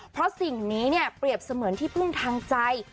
เพราะสิ่งนี้เนี่ยเปรียบเสมือนที่พึ่งทางใจ